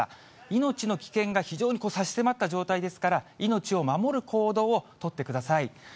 命の危険が非常に差し迫った状態ですから、命を守る行動を取ってください。